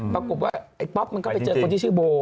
ปรากฏว่าไอ้ป๊อปมันก็ไปเจอคนที่ชื่อโบ